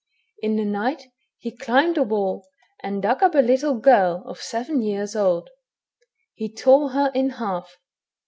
In the night he climbed the wall, and dug up a little girl of seven years old. He tore her in half.